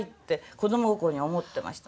子ども心に思ってました。